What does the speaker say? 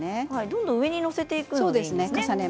どんどん上に載せていくんですね。